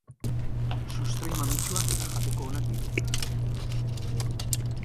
Sustrai mamitsuak eta jateko onak ditu.